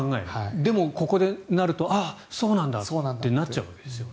でもここになるとあ、そうなんだってなっちゃうわけですね。